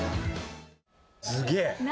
すげえ。